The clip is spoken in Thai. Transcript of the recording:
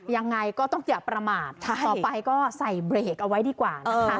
ยังไงก็ต้องอย่าประมาทต่อไปก็ใส่เบรกเอาไว้ดีกว่านะคะ